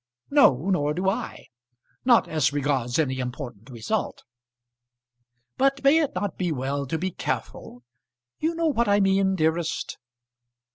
"No, nor do I; not as regards any important result. But may it not be well to be careful? You know what I mean, dearest?"